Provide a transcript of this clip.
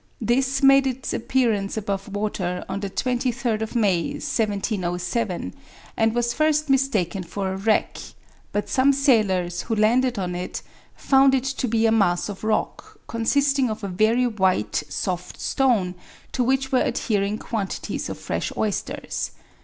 This made its appearance above water on the 23rd of May, 1707, and was first mistaken for a wreck; but some sailors, who landed on it, found it to be a mass of rock; consisting of a very white soft stone, to which were adhering quantities of fresh oysters.